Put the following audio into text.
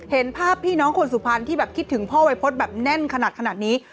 เห็นภาพพี่น้องคนสุพรรณที่แบบคิดถึงพ่อวัยพฤษแบบแน่นขนาดนี้